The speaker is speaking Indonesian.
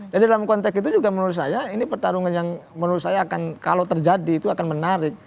jadi dalam konteks itu juga menurut saya ini pertarungan yang menurut saya akan kalau terjadi itu akan menarik